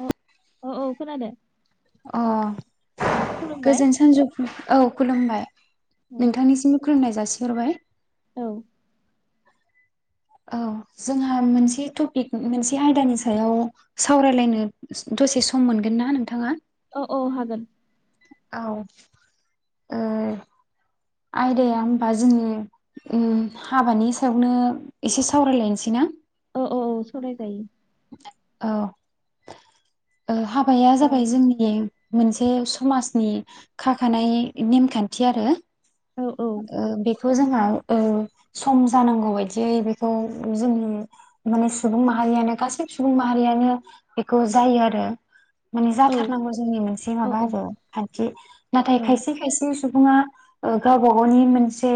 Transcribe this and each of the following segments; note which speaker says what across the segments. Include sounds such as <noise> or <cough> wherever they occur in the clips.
Speaker 1: औ औ औ खोनादों
Speaker 2: अ
Speaker 1: औ खुलुमबाय
Speaker 2: गोजोन सानजौफुं औ खुलुमबाय
Speaker 1: औ
Speaker 2: नोंथांनिसिम खुलुमनाय जासि हरबाय।
Speaker 1: औ
Speaker 2: औ जोंहा मोनसे टपिक मोनसे आयदानि सायाव सावरायलायनो दसे सम मोनगोन ना नोंथाङा?
Speaker 1: औ औ हागोन।
Speaker 2: औ ओ आयदाया ओमबा जों ओ हाबानि सायावनो एसे सावरायलायनोसैना?
Speaker 1: औ औ औ सावरायजायो।
Speaker 2: औ ओ हाबाया
Speaker 1: औ
Speaker 2: जाबाय जोंनि मोनसे समाजनि खाखानाय नेमखान्थि आरो।
Speaker 1: औ औ
Speaker 2: खौ जोंहा ओ सम जानांगौ बायदियै बेखौ जों माने सुबुं माहारियानो गासै सुबुं माहारियानो बेखौ जायो आरो माने
Speaker 1: औ
Speaker 2: जाथारनांगौ जोंनि मोनसे
Speaker 1: औ
Speaker 2: माबा आरो खान्थि नाथाय
Speaker 1: औ
Speaker 2: खायसे खायसे सुबुङा ओ गावबा गावनि मोनसे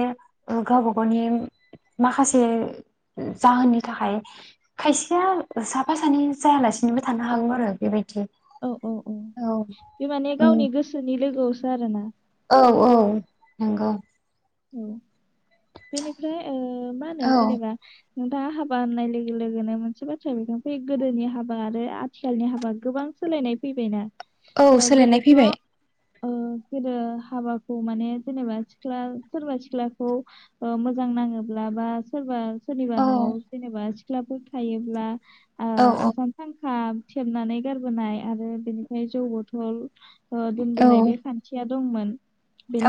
Speaker 2: गावबा गावनि माखासे जाहोननि थाखाय खायसेया साफा सानै जायालासिनोबो थानो हागौ आरो बेबायदि
Speaker 1: औ औ औ बे माने
Speaker 2: उम
Speaker 1: गावनि गोसोनि लोगोआव सो आरोना
Speaker 2: औ औ नंगौ।
Speaker 1: औ बेनिफ्राय ओ मा होनो
Speaker 2: औ
Speaker 1: जेनेबा नोंथाङा हाबा होननाय लोगो लोगोनो मोनसे बाथ्रा बेरखां फैयो गोदोनि हाबा आरो आथिखालनि हाबा गोबां सोलायनाय फैबायना
Speaker 2: औ
Speaker 1: ओ
Speaker 2: सोलायनाय
Speaker 1: गोदोथ'
Speaker 2: फैबाय।
Speaker 1: ओ गोदो हाबाखौ माने जेनेबा सिख्ला सोरबा सिख्लाखौ ओ मोजां नाङोब्ला बा सोरबा सोरनिबा
Speaker 2: औ
Speaker 1: न'आव जेनेबा सिख्लाफोर थायोब्ला आ
Speaker 2: औ औ
Speaker 1: आसान सानखा सेबनानै गारबोनाय आरो बेनिफ्राय जौ बथल ओ दोनबोनाय
Speaker 2: औ
Speaker 1: बे खान्थिया दंमोन।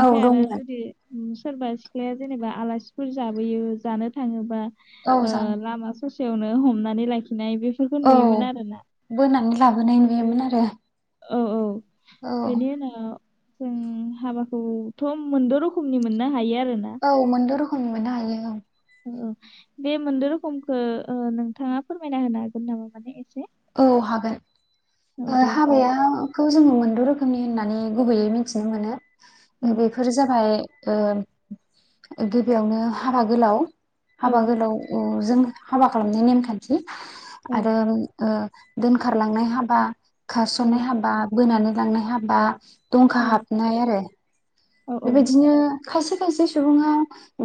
Speaker 2: औ
Speaker 1: आरो
Speaker 2: दंमोन।
Speaker 1: जुदि सोरबा सिख्लाया जेनेबा आलासिफोर जाबोयो जानो थाङोबा
Speaker 2: औ
Speaker 1: ओ
Speaker 2: जानो
Speaker 1: लामा ससेयावनो हमनानै लाखि
Speaker 2: औ बोनानै लाबोनाय बेमोन आरो।
Speaker 1: औ औ
Speaker 2: औ
Speaker 1: बेनि उनाव जों हाबाखौथ' मोनद' रोखोमनि मोननो हायो आ
Speaker 2: औ मोन द' रो खोमनि मोननो हायो औ।
Speaker 1: बे मोनद' रोखोमखौ ओ नोंथाङा फोरमायना होनो हागोन नामा माने एसे?
Speaker 2: औ हागोन
Speaker 1: औ
Speaker 2: ओ
Speaker 1: दे बुं
Speaker 2: हाबायाखौ जोङो मोनद' रोखोमनि होननानै गुबैयै मिथिनो मोनो। ओ
Speaker 1: उम,
Speaker 2: बेफोर जाबाय ओ गिबियावनो हाबा गोलाव
Speaker 1: औ
Speaker 2: हाबा गोलाव औ जों हाबा खालामनाय नेमखान्थि
Speaker 1: औ
Speaker 2: आरो ओ दोनखारलांनाय हाबा
Speaker 1: औ
Speaker 2: खारस'ननाय हाबा, बोनानै लांनाय हाबा दंखा
Speaker 1: औ
Speaker 2: हाबनाय आरो
Speaker 1: औ
Speaker 2: बेबायदिनो खायसे खायसे सुबुङा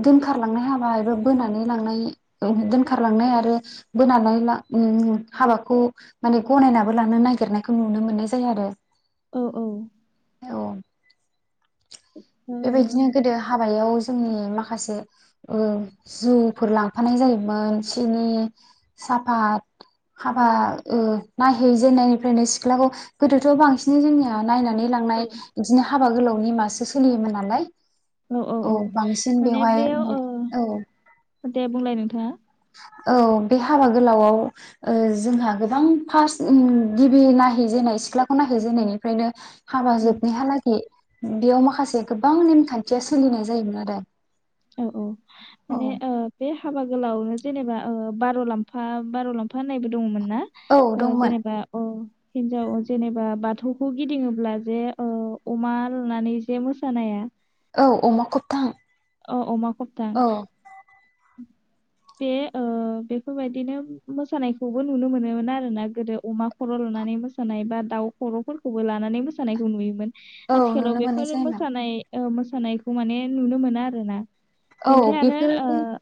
Speaker 2: दोनखारलांनाय हाबा एबा बोनानै लांनाय ओ दोनखारलांनाय आरो बोनानै ला-ओम-हाबाखौ माने गनायनाबो लांनो नागिरनायखौ नुनो मोननाय जाया आरो
Speaker 1: औ औ
Speaker 2: औ बेबायदिनो गोदो हाबायाव जोंनि माखासे ओ जौफोर लांफानाय जायोमोन सिनि साफत हाबा ओ नायहैजेननायनिफ्रायनो सिख्लाखौ गोदोथ' बांसिनै जोंनिया नायनानै
Speaker 1: औ
Speaker 2: लांनाय बिदिनो हाबा गोलाव नेमासो सोलियोमोन नालाय
Speaker 1: औ औ औ।
Speaker 2: बांसिन
Speaker 1: माने
Speaker 2: बेवहाय
Speaker 1: बे ओ
Speaker 2: औ
Speaker 1: दे बुंलाय नोंथाङा।
Speaker 2: औ बे हाबा गोलावआव ओ जोंहा गोबां फार्स्ट ओम गिबि नायहैजेननाय सिख्लाखौ नायहैजेननायनिफ्रायनो हाबा
Speaker 1: उम
Speaker 2: जोबनायहालागि बेयाव माखासे गोबां नेमखान्थिया सोलिनाय जायोमोन आरो।
Speaker 1: औ औ माने ओ बे हाबा गोलावनो जेनेबा ओ बार'लामफा बार'लामफा होननायबो दंमोन ना
Speaker 2: औ दंमोन
Speaker 1: जेनेबा अ हिन्जाव जेनेबा बाथौखौ गिदिङोब्ला जे ओ अमा लनानै जे मोसानाया
Speaker 2: औ अमा खबथां।
Speaker 1: ओ अमा खबथां।
Speaker 2: औ
Speaker 1: बे बेफोरबायदिनो मोसानायखौबो नुनो मोनोमोन आरोना गोदो अमा खर' लानानै मोसानाय बा दाउ खर'फोरखौबो लानानै मोसानायखौ नुयोमोन।
Speaker 2: औ
Speaker 1: आथिखालाव
Speaker 2: नुनो मोननाय
Speaker 1: बेफोर
Speaker 2: जायोमोन
Speaker 1: मोसानाय औ मोसानायखौ माने नुनो मोना आरोना।
Speaker 2: औ
Speaker 1: बेनिफ्राय आरो
Speaker 2: बेफोरनि
Speaker 1: ओ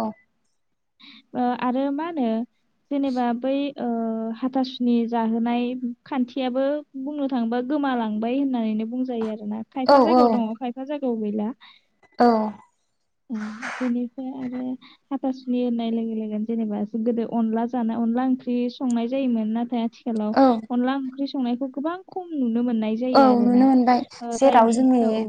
Speaker 2: औ।
Speaker 1: आरो मा होनो जेनेबा बै ओ हाथासुनि जाहोनाय खान्थियाबो बुंनो थाङोबा गोमालांबाय होननानैनो बुंजायो आरो ना
Speaker 2: औ
Speaker 1: खायफा
Speaker 2: औ
Speaker 1: जायगायाव दङ खायफा जा गाव गैला।
Speaker 2: औ
Speaker 1: ओ बिनिफाय आरो हाथासु नि होननाय लोगो लोगोन जेनेबा गोदो अनला जानाय अनला ओंख्रि संनाय जायोमोन ना थाइ आथिखालाव
Speaker 2: औ
Speaker 1: अनला ओंख्रि संनायखौ गोबां खम नु
Speaker 2: औ नुनो मोनबाय। जेराव
Speaker 1: जायनि
Speaker 2: जोंनि
Speaker 1: औ औ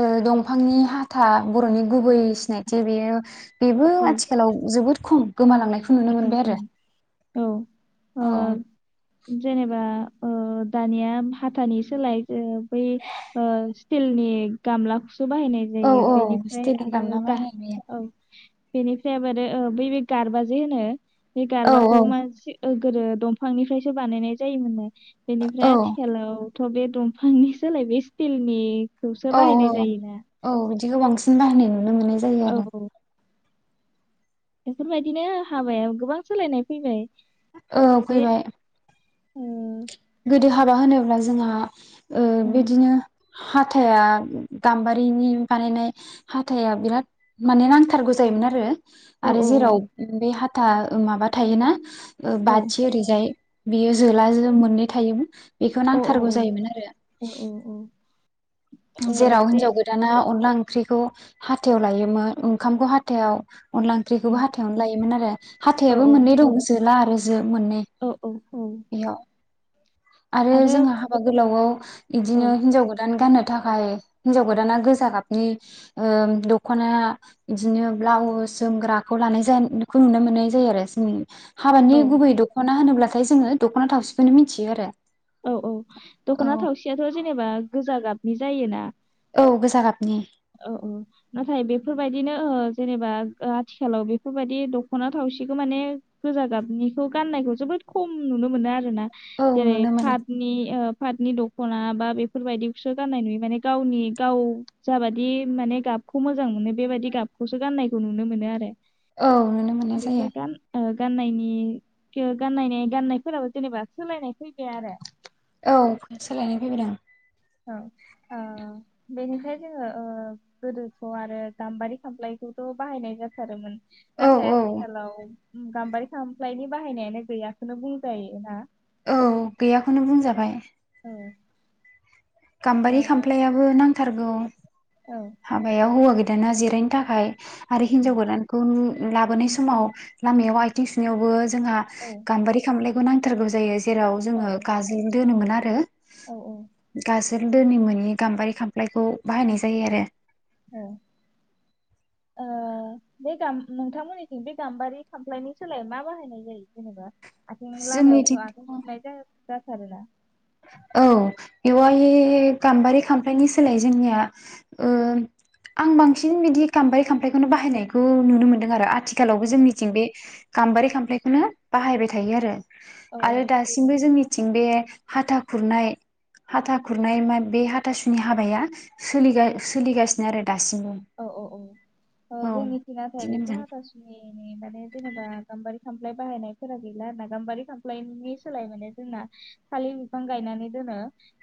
Speaker 2: ओ दं फांनि हाथा बर'नि गुबै सिनायथि बेयो बेबो
Speaker 1: औ
Speaker 2: आथिखालाव जोबोद खम गोमालांनायखौ
Speaker 1: उम
Speaker 2: नुनो
Speaker 1: उम
Speaker 2: मोनबाय आरो।
Speaker 1: उम औ।
Speaker 2: औ।
Speaker 1: ओ जेनेबा दानिया हाथानि सोलाय बै स्टिलनि गामला खौ बाहायनाय
Speaker 2: औ
Speaker 1: जायो
Speaker 2: औ
Speaker 1: बेनिफ्राय आरो
Speaker 2: स्टेडिगाम ना मा
Speaker 1: दा
Speaker 2: होनो बेयो
Speaker 1: औ बेनिफ्राय आरो बै गारबा जैनो। बे
Speaker 2: औ औ
Speaker 1: गारबाखौ मसे। ओ गोदो दंफांनिफ्रायसो बानायनाय जायोमोन न बेनिफ्राय
Speaker 2: औ
Speaker 1: आथिखालाव थ' बे दंफांनि सोलाय बे स्टिलनि
Speaker 2: औ औ औ। बिखौ बांसिन बाहायनाय नुनो मोननाय जायो
Speaker 1: औ
Speaker 2: आरो।
Speaker 1: औ बेफोरबायदिनो हाबायाव गोबां सोलायनाय फैबाय।
Speaker 2: औ
Speaker 1: बे
Speaker 2: फैबाय।
Speaker 1: ओ।
Speaker 2: बिदि हाबा होनोब्ला जोंहा ओ बिदिनो हाथाइा गाम्बारिनि बानायनाय हाथाइा बिराद माने नांथारगौ जायोमोन आरो
Speaker 1: औ
Speaker 2: आरो
Speaker 1: औ
Speaker 2: जेराव बे हा था माबा थायोना ओ
Speaker 1: औ
Speaker 2: बाथि ओरैजाय बियो जोला जो मोननै थायोमोन बेखौ
Speaker 1: औ
Speaker 2: नांथारगौ जायोमोन आरो।
Speaker 1: औ औ औ ओ,
Speaker 2: जेराव
Speaker 1: बे
Speaker 2: हिनजाव गोदाना अनला ओं ख्रिखौ हाथायाव लायोमोन ओंखामखौ हाथायाव। अनला ओंख्रिखौबो
Speaker 1: उम,
Speaker 2: हाथायावनो लायोमोन आरो
Speaker 1: औ
Speaker 2: हाथायाबो
Speaker 1: औ
Speaker 2: मोननै दं जोला आरो जो मोननै
Speaker 1: औ औ औ।
Speaker 2: बेयाव आरो जोंहा हाबा गोलावआव
Speaker 1: औ
Speaker 2: बिदिनो हिनजाव गोदान गाननो थाखाय हिनजाव गोदाना गोजा गाबनि ओ दखना बिदिनो ब्लाउस जोमग्राखौ लानाय जानायखौ नुनो मोननाय जायो आरो जोंनि
Speaker 1: औ
Speaker 2: हाबानि गुबै दख'ना होनोब्ला ओमफाय जोङो दख'ना थावसिखौनो मिनथियो आरो।
Speaker 1: औ औ
Speaker 2: औ
Speaker 1: दख'ना थावसियाथ' जे नेबा गोजा गाबनि जायोना?
Speaker 2: औ गोजा गाब।
Speaker 1: औ औ नाथाय बेफोरबायदिनो ओ जेनेबा आथिखालाव बेफोरबायदि दख'ना थावसिखौ माने गोजा गाबनिखौ गाननायखौ जोबोद खम नुनो मोनो आरोना।
Speaker 2: औ
Speaker 1: जेरै
Speaker 2: नुनो मोनो
Speaker 1: फादनि ओ फादनि दख'ना बा बेफोरबायदिखौसो गाननाय नुयो माने गावनि गाव जाबादि माने गाबखौ मोजां मोनो बेबादि गाबखौसो गाननायखौ नुनो मोनो आरो।
Speaker 2: औ नुनो मोननाय
Speaker 1: बेफोर
Speaker 2: जायो।
Speaker 1: गान ओ गाननायनि गान गाननायफोरावो जेनेबा सोलायनाय फैबाय आरो।
Speaker 2: औ सोलायनाय फैबाय दं।
Speaker 1: औ औ बेनिफ्राय जोङो ओ गोदोखौ आरो गाम्बारि खाम्लायखौथ' बाहायनाय जाथारोमोन।
Speaker 2: औ
Speaker 1: नाथाय
Speaker 2: औ
Speaker 1: आथिखालाव गाम्बारि खामफ्लायनि बाहायनायानो गैयाखौनो बुंजायो ना?
Speaker 2: औ गैयाखौनो बुंजाबाय।
Speaker 1: औ।
Speaker 2: गाम्बारि
Speaker 1: ओ
Speaker 2: खामफ्लायाबो नां थारगौ।
Speaker 1: औ
Speaker 2: हाबाया हौवा गो दाना जिरायनो थाखाय आरो
Speaker 1: उम
Speaker 2: हिनजाव
Speaker 1: उम
Speaker 2: गोदानखौ नु लाबोनाय समाव लामायाव आथिं सुनायावबो जोंहा
Speaker 1: औ
Speaker 2: गामबारि खामफ्लाय बेखौ नांथारगौ जायो। जेराव
Speaker 1: औ
Speaker 2: जोङो गाजोलबो दोनोमोन ना आरो।
Speaker 1: औ
Speaker 2: गाजो जोल दोनि मोनि गाम्बारि खामफ्लायखौ बाहायनाय जायो आरो।
Speaker 1: औ ओ बे गाम नोंथांमोननिथिं बे गाम्बारि खामफ्लायनि सोलाय मा बाहायनाय जायो जेनेबा? आथिं लामायावसो आथिं
Speaker 2: जोंनिथिंथ'
Speaker 1: सुनाय जायो। जाथारो ना?
Speaker 2: औ बेवहाय गाम्बारि खामफ्लायनि सोलाय जोंनिया ओह आं बांसिन बिदि गाम्बारि खामफ्लायखौनो बाहायनायखौ नुनो मोनदों आरो आथि आथिखालावबो
Speaker 1: औ
Speaker 2: जोंनिथिं बे गाम्बारि खामफ्लायखौनो बाहायबाय थायो आरो।
Speaker 1: औ
Speaker 2: आरो दासिमबो जोंनि थिं बे हाथा खुरनाय हाथा खुरनाय मा बे हाथासुनि हाबाया सोलिगा-सोलिगासिनो आरो। दासिमबो
Speaker 1: औ औ औ
Speaker 2: औ
Speaker 1: जोंनिथिं नाथाय
Speaker 2: बिदिनो
Speaker 1: बेफोर
Speaker 2: मोजां
Speaker 1: हाथासुनि माने जेनेबा गाम्बारि खामफ्लाय बाहायनायफोरा गैला आरो ना गाम्बारि खामफ्लायनि सोलाय माने जोंना थालिर बिफां गायनानै दोनो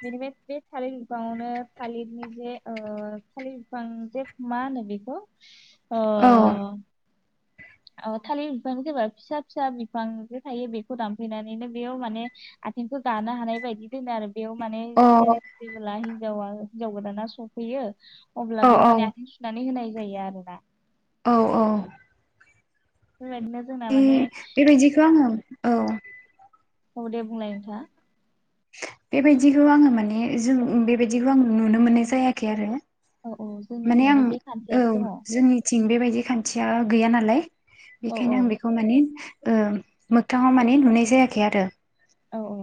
Speaker 1: बेनिफ्राय बे थालिर बिफांङावनो थालिरनि जे ओ थालिर बिफां जे मा होनो बेखौ अ
Speaker 2: औ
Speaker 1: औ थालिर बिफां जेबा फिसा फिसा बिफां जे थायो बेखौ दानफैनानैनो बेयाव माने आथिंखौ गानो हानाय बायदि दोनो आरो बेयाव माने
Speaker 2: अ
Speaker 1: जेने
Speaker 2: औ
Speaker 1: जेबोला हौवा आरो हिन्जाव गोदाना सफैयो अब्ला बेयाव माने आथिं सुनानै होनाय जायो आरो ना
Speaker 2: औ औ
Speaker 1: बेबायदिनो जोंना
Speaker 2: ए
Speaker 1: माने
Speaker 2: बेबायदिखौ आङो औ
Speaker 1: औ दे बुंलाय नोंथाङा
Speaker 2: बेबायदिखौ आङो माने जों बेबायदिखौ आं नुनो मोननाय जायाखै आरो
Speaker 1: औ औ जोंनिखि
Speaker 2: माने आं
Speaker 1: बे
Speaker 2: औ
Speaker 1: खान्थियासो दङ
Speaker 2: जोंनिथिं बेबायदि खान्थिया गैया नालाय
Speaker 1: औ औ
Speaker 2: बेखायनो आं बेखौ माने ओ मोगथाङाव माने नुनाय जायाखै आरो
Speaker 1: औ औ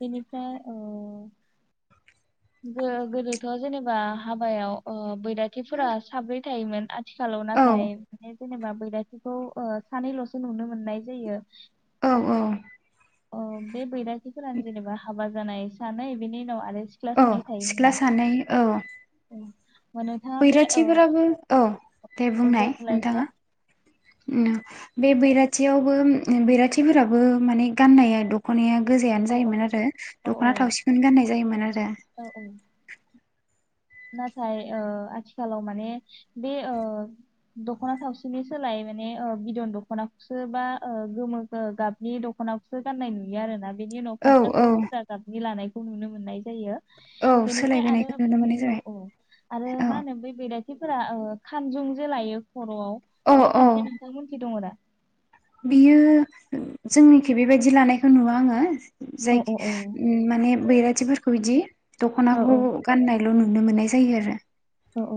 Speaker 1: बेनिफ्राय ओ गोदोथ' जेनेबा हाबायाव ओ बैराथिफोरा साब्रै थायोमोन आद थिखालाव
Speaker 2: औ
Speaker 1: नाथाय जेनेबा बैराथि बेखौ ओ सानैल'सो नुनो मोननाय जायो
Speaker 2: औ औ
Speaker 1: अ बे बैरा फोरानो जेनेबा हाबा जानाय सानै बिनि उनाव आरो सिख्ला
Speaker 2: औ
Speaker 1: सानै थायोमोन ना
Speaker 2: सिख्ला सानै औ
Speaker 1: औ होमबा नोंथाङा बे ओ
Speaker 2: बैराथिफोराबो औ दे
Speaker 1: अ,
Speaker 2: बुंनाय
Speaker 1: बुंलाय नोंथां
Speaker 2: नोंथाङा ओम बे बैराथियावबो ओ बैराथिफोराबो माने गाननाया दख'नाया गोजायानो
Speaker 1: औ औ
Speaker 2: जायोमोन आरो
Speaker 1: औ
Speaker 2: दख'ना थावसिखौनो गाननाय जायोमोन आरो
Speaker 1: औ औ नाथाय ओ आथिखालाव माने बे ओ दख'ना थावसिनि सोलाय माने ओ बिदन दख'नाखौसो बा ओ गोमो गाबनि दख'नाखौसो गाननाय नुयो आरोना बिनि उनाव
Speaker 2: औ औ
Speaker 1: फास्राखौ गोजा गाबनि लानाय खौ नुनो मोननाय जायो
Speaker 2: औ
Speaker 1: बेनिफ्राय आरो
Speaker 2: सोलायबोनायखौ नुनो मोनो।
Speaker 1: औ औ आरो मा होनो बै बैरा फोरा ओ खानजुं जे लायो खर'आव
Speaker 2: औ
Speaker 1: बे
Speaker 2: औ
Speaker 1: खान्थिया नोंथांमोनथि दङ दा?
Speaker 2: बियो जोंनिखि बेबायदि लानायखौ नुवा आङो।
Speaker 1: औ औ
Speaker 2: जायखि ओ माने बैरा थि फोरखौ इदि
Speaker 1: औ औ
Speaker 2: दख'नाखौ गाननाय ल' नुनो मोननाय जायो आरो।
Speaker 1: अ औ।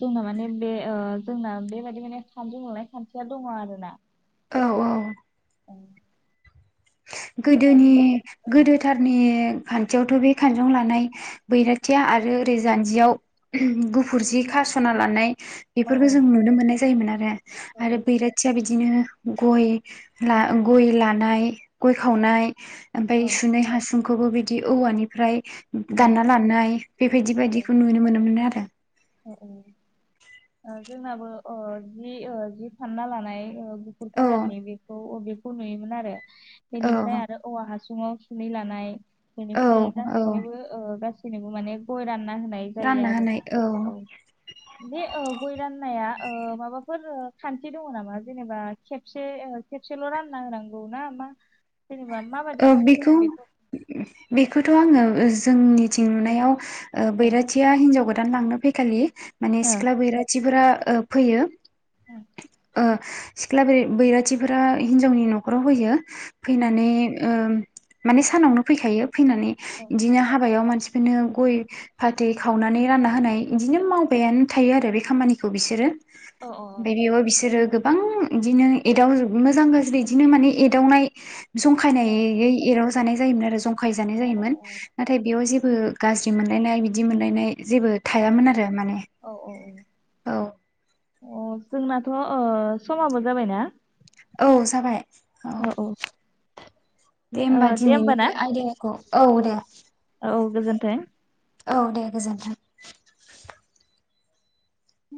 Speaker 1: जोंना माने बे ओ जोंना बेबायदि माने खान्जुं लुनाय खान्थिया दङ आरो ना।
Speaker 2: औ औ।
Speaker 1: औ।
Speaker 2: गोदोनि
Speaker 1: बेफोरबायदिनो औ
Speaker 2: गोदोथारनि खान्थियावथ' बे खानजं लानाय बैराथिया आरो ओरै जान्जियाव गुफुर जि खास'ना लानाय
Speaker 1: औ
Speaker 2: बेफोरखो जों नुनो मोननाय जोयोमोन आरो।
Speaker 1: औ
Speaker 2: आरो बैराथिया बिदिनो गय ला गय लानाय गय खावनाय ओमफाय
Speaker 1: औ
Speaker 2: सुनै हासुं खोबो बिदि औवानिफ्राय
Speaker 1: औ
Speaker 2: दानना लानाय बेबायदि बादिखौ नुनो मोनोमोन आरो। <unintelligible>
Speaker 1: ओ ओ ओ जोंनाबो अ जि ओ जि फानना लानाय ओ गुुफुर
Speaker 2: औ
Speaker 1: कालारनि बेखौ अबे खौ नुयोमोन आरो।
Speaker 2: औ
Speaker 1: बेनिफ्राय आरो औवा हासुं ङाव सुनै लानाय
Speaker 2: औ
Speaker 1: बेनिफ्राय
Speaker 2: औ
Speaker 1: गासैनोबो ओ गासै नोंबो माने गय रान ना होनाय जायो
Speaker 2: रानना होनाय
Speaker 1: आरोना। औ बे ओ बे गय राननाया ओ माबाफोर खान्थि दङ नामा जेनेबा खेबसे ओ खेबसेल' रानना होनांगौ ना मा? जेनेबा माबादि
Speaker 2: औ
Speaker 1: खान्थि
Speaker 2: बेखौ
Speaker 1: दङ
Speaker 2: बेखौथ आङो जोंनिथिं नुनायाव। ओ बैरथिया हिनजाव गो- दान लांनो फैखालि। माने सिख्ला बैराथिफोरा ओ फैयो।
Speaker 1: उ।
Speaker 2: ओ सिख्ला बैराथिफोरा हिन्जावनि नखराव होयो। फैनानै ओ माने सानावनो फैखायो। फैनानै बिदिनो हाबायाव मानसि फोरनो गय फाथै खावनानै रानना होनाय बिदिनो मावबायानो थायो आरो बे खामानिखौ बिसोरो।
Speaker 1: ओ उम औ अ
Speaker 2: बेबो बिसोरो गोब- गोबां बिदिनो एदाव मोजां गाज्रि इदिनो माने एदावनाय, जं
Speaker 1: अ
Speaker 2: खायनायै एाराव जानाय जायोन आरो जंग थखायजानाय
Speaker 1: औ
Speaker 2: जायोमोन, नाथाय बेयाव जेबो गाज्रि मोनलायनाय बिदि मोनलायनाय जेबो थायामोन आरो माने
Speaker 1: औ औ औ
Speaker 2: औ।
Speaker 1: अ जोंनाथ' ओ समाबो जाबायना।
Speaker 2: औ जाबाय।
Speaker 1: ओ औ।
Speaker 2: दे होमबा दिनैनि आयदायाखौ। औ दे।
Speaker 1: औ गोजोन्थों।
Speaker 2: औ दे गोजोनथों।
Speaker 1: उ।